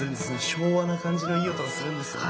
昭和な感じのいい音がするんですよね。